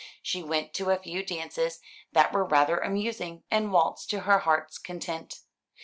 She went to a few dances that were rather amusing, and waltzed to her heart's content.